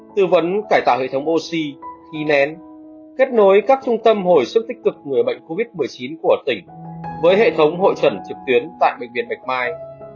tư vấn cải tạo hệ thống oxy khí nén kết nối các trung tâm hồi sức tích cực người bệnh covid một mươi chín của tỉnh với hệ thống hội trần trực tuyến tại bệnh viện bạch mai